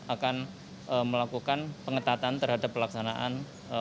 akan melakukan pengetatan terhadap pelaksanaan